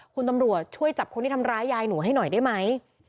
คุณตำรวจช่วยจับคนที่ทำร้ายยายหนูให้หน่อยได้ไหม